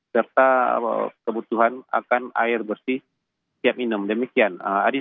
serta kebutuhan akan air bersih tiap minum demikian